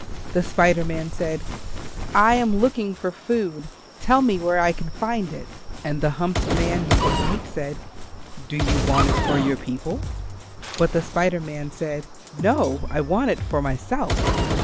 The Spider Man said, "I am looking for food; tell me where I can find it." And the humped man with the light said, "Do you want it for your people?" But the Spider Man said, "No, I want it for myself."